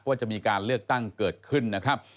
ว่าจะมีการเลือกตั้งเกิดขึ้นนะครับ